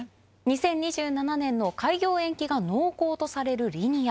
横娃横年の開業延期が濃厚とされるリニア。